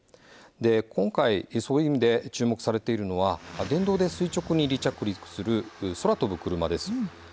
今回そういう意味で注目されているのは電動で垂直に離着陸する空飛ぶクルマです。